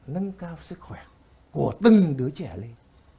nâng cao sức khỏe của từng đứa trẻ lên